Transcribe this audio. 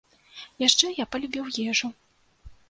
Яшчэ я палюбіў ежу.